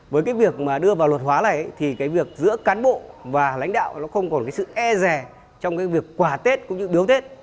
với cái việc mà đưa vào luật hóa này thì cái việc giữa cán bộ và lãnh đạo nó không còn cái sự e rè trong cái việc quà tết cũng như biếu tết